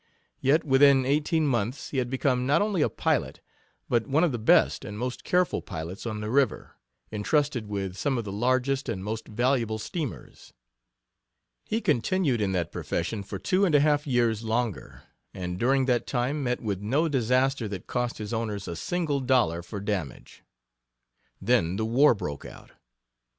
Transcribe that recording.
Yet within eighteen months he had become not only a pilot, but one of the best and most careful pilots on the river, intrusted with some of the largest and most valuable steamers. He continued in that profession for two and a half years longer, and during that time met with no disaster that cost his owners a single dollar for damage. Then the war broke out.